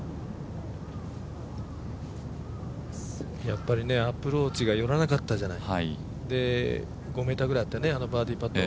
やっぱりアプローチが寄らなかったじゃない、５ｍぐらいあってあのバーディーパット